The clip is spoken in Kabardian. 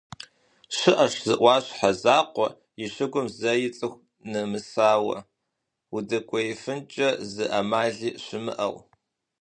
ЩыӀэщ зы Ӏуащхьэ закъуэ и щыгум зэи цӀыху нэмысауэ, удэкӀуеифынкӀэ зы Ӏэмали щымыӀэу.